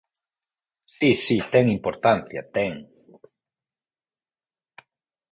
Si, si, ten importancia, ten.